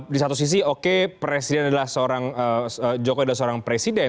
di satu sisi oke jokowi adalah seorang presiden